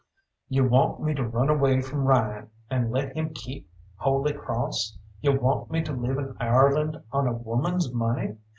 "You want me to run away from Ryan, and let him keep Holy Cross? You want me to live in Ireland on a woman's money?